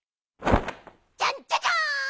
じゃんじゃじゃん！